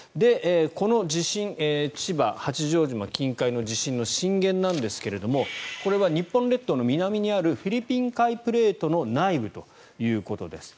この千葉、八丈島近海の地震の震源なんですがこれは日本列島の南にあるフィリピン海プレートの内部ということです。